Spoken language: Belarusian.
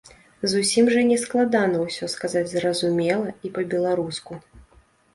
Зусім жа не складана ўсё сказаць зразумела і па-беларуску.